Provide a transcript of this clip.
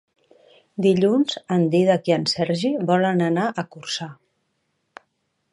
Dilluns en Dídac i en Sergi volen anar a Corçà.